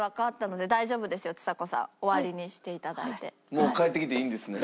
もう帰ってきていいんですね。